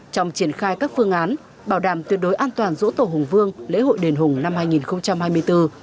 trong triển khai các phương án bảo đảm tuyệt đối an toàn dỗ tổ hùng vương lễ hội đền hùng năm hai nghìn hai mươi bốn